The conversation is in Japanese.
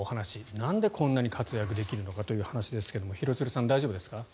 なんでこんなに活躍できるのかという話ですが廣津留さん、大丈夫ですか？